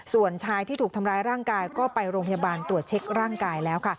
ส่วนชายที่ถูกทำร้ายร่างกายก็ไปโรงพยาบาลตรวจเช็คร่างกายแล้วค่ะ